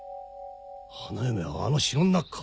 花嫁はあの城の中か。